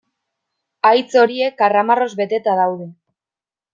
Haitz horiek karramarroz beteta daude.